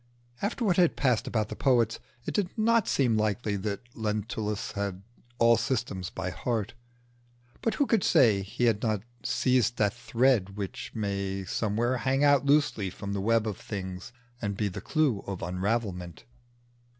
After what had passed about the poets, it did not seem likely that Lentulus had all systems by heart; but who could say he had not seized that thread which may somewhere hang out loosely from the web of things and be the clue of unravelment?